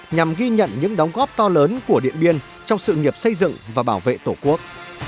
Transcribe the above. nhằm ghi nhận những đóng góp to lớn của điện biên trong sự nghiệp xây dựng và bảo vệ tổ quốc